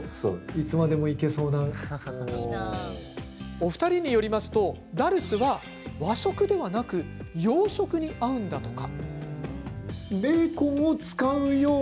お二人によりますとダルスは和食ではなく洋食に合うんだとか。